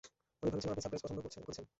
আমি ভেবেছিলাম আপনি সারপ্রাইজ পছন্দ করেছেন।